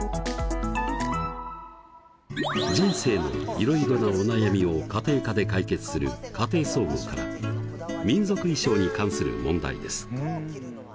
人生のいろいろなお悩みを家庭科で解決する「家庭総合」から民族衣装に関する問題です。